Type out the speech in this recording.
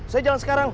saya jalan sekarang